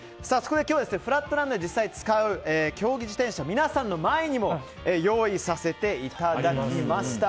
フラットランドで実際に使う競技自転車、皆さんの前にも用意させていただきました。